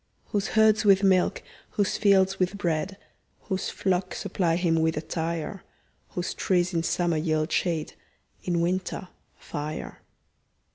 Whose herds with milk, whose fields with bread, Whose flocks supply him with attire; Whose trees in summer yield shade, In winter, fire.